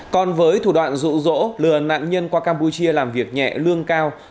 còn với thủ đoạn rụ rỗ lừa nạn nhân qua campuchia làm việc nhẹ lương cao